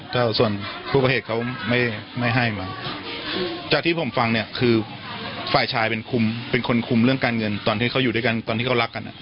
จากที่ผมฟังเนี่ยคือฝ่ายชายเป็นคุมเป็นคนคุมเรื่องการเงินตอนที่เขาอยู่ด้วยกันตอนที่เขารักกัน